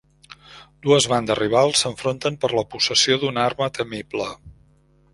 Dues bandes rivals s'enfronten per a la possessió d'una arma temible.